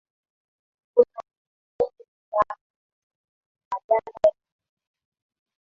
kusanifu Istilahi za Kiswahili badala ya jukumu